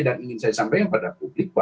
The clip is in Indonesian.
dan ingin saya sampaikan pada publik bahwa